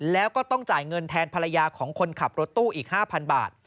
แล้วก็ต้องจ่ายเงินแทนภรรยาของคนขับรถตู้อีก๕๐๐บาท